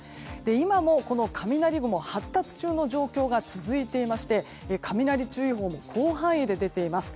今も雷雲が発達中の状態が続いていまして雷注意報も広範囲で出ています。